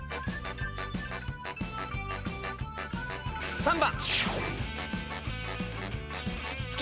３番。